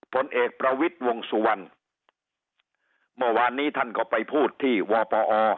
ผลเอกประวิทย์วงสุวรรณเมื่อวานนี้ท่านก็ไปพูดที่วปอ